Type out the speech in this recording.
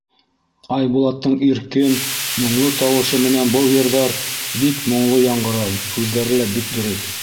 Айбулаттың иркен, моңло тауышы менән был йырҙар бик моңло яңғырай, һүҙҙәре лә бик дөрөҫ.